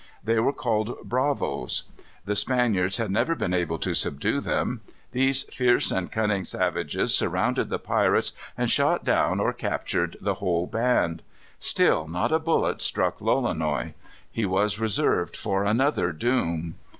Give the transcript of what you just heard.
They were called Bravos. The Spaniards had never been able to subdue them. These fierce and cunning savages surrounded the pirates and shot down or captured the whole band. Still not a bullet struck Lolonois. He was reserved for another doom.